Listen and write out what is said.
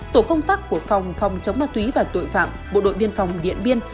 tổ công tác của phòng phòng chống ma túy và tội phạm bộ đội biên phòng điện biên